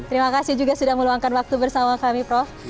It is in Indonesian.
terima kasih juga sudah meluangkan waktu bersama kami prof